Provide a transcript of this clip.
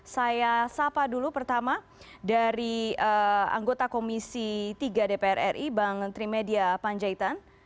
saya sapa dulu pertama dari anggota komisi tiga dpr ri bang trimedia panjaitan